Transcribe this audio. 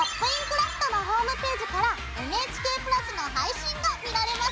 クラフト」のホームページからＮＨＫプラスの配信が見られますよ。